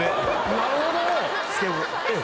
なるほど！